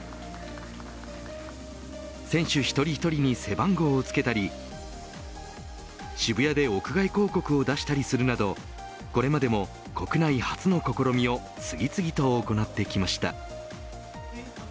選手一人一人に背番号をつけたり渋谷で屋外広告を出したりするなどこれまでも国内初の試みを次々と行ってきました。